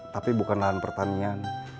tapi bukan lahan pertanian